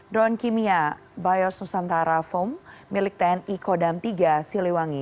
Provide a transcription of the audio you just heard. drone kimia biosusantara foam milik tni kodam tiga siliwangi